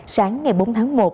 sáng ngày bốn tháng một